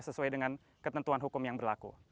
sesuai dengan ketentuan hukum yang berlaku